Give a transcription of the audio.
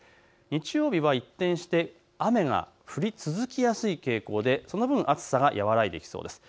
日曜日は一転して雨が降り続きやすい傾向でその分暑さが和らいできそうです。